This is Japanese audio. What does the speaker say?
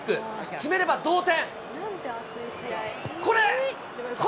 決めれば同点。